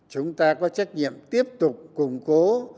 chúng ta có trách nhiệm tiếp tục củng cố